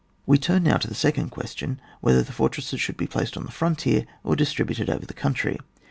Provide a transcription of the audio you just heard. We turn now to the second question — Whether the fortresses should be placed on the frontier, or distributed over the country?